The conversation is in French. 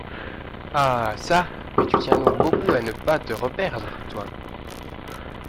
Ah ! ça ! mais tu tiens donc beaucoup à ne pas te reperdre, toi ?